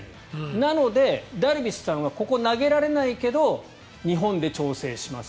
なので、ダルビッシュさんはここ投げられないけど日本で調整します。